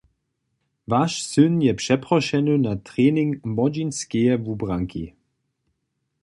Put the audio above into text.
Waš syn je přeprošeny na trening młodźinskeje wubranki.